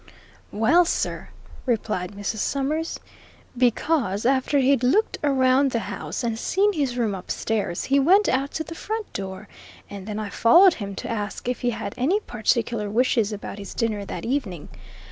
"Well, sir," replied Mrs. Summers, "because, after he'd looked round the house, and seen his room upstairs, he went out to the front door, and then I followed him, to ask if he had any particular wishes about his dinner that evening.